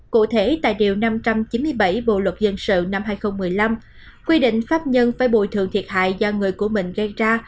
cụ thể tại điều năm trăm chín mươi bảy bộ luật dân sự năm hai nghìn một mươi năm quy định pháp nhân phải bồi thường thiệt hại do người của mình gây ra